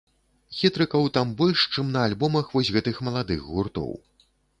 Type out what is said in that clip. Хітрыкаў там больш, чым на альбомах вось гэтых маладых гуртоў.